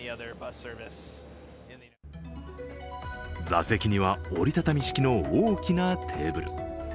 座席には、折り畳み式の大きなテーブル。